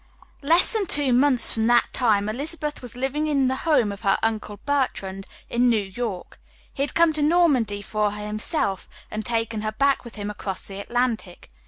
Less than two months from that time Elizabeth was living in the home of her Uncle Bertrand, in New York. He had come to Normandy for her himself, and taken her back with him across the Atlantic.